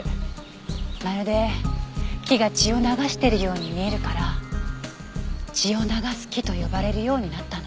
まるで木が血を流してるように見えるから血を流す木と呼ばれるようになったの。